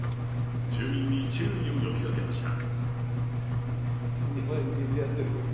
住民に注意を呼びかけました。